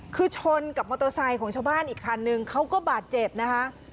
คือชนกับมอเตอร์ไซค์ของชาวบ้านอีกคันนึงเขาก็บาดเจ็บนะคะ